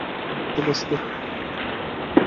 আমি একটু বসবো।